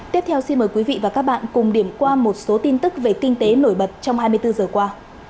tiếp theo xin mời quý vị và các bạn cùng điểm qua một số tin tức về kinh tế nổi bật trong hai mươi bốn giờ qua